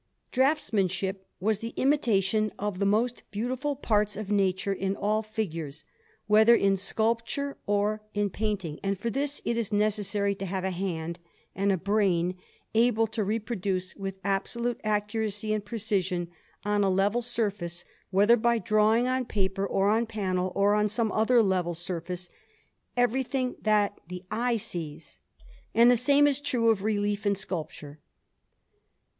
Draughtsmanship was the imitation of the most beautiful parts of nature in all figures, whether in sculpture or in painting; and for this it is necessary to have a hand and a brain able to reproduce with absolute accuracy and precision, on a level surface whether by drawing on paper, or on panel, or on some other level surface everything that the eye sees; and the same is true of relief in sculpture.